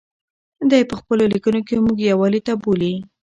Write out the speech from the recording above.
دی په خپلو لیکنو کې موږ یووالي ته بولي.